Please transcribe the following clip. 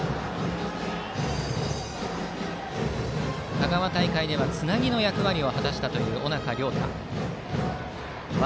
香川大会ではつなぎの役割を果たした尾中亮太。